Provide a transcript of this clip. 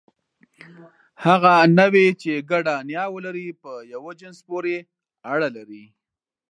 هغه نوعې، چې ګډه نیا ولري، په یوه جنس پورې اړه لري.